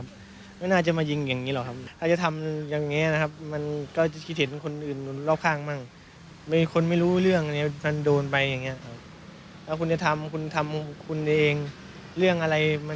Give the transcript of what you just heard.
ส่วนมากก็อยากให้สร้างใจเลี้ยงขนาดทุกหุ่นน่ะ